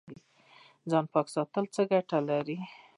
ځان پاک ساتل څه ګټه لري؟